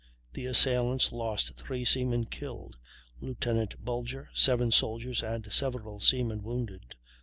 The assailants lost three seamen killed, Lieutenant Bulger, seven soldiers and several seamen wounded.